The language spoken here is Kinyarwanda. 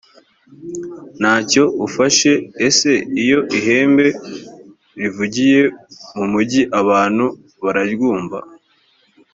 nta cyo ufashe ese iyo ihembe rivugiye mu mugi abantu bararyumva